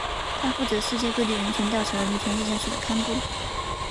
它负责世界各地人权调查和人权意见书的刊布。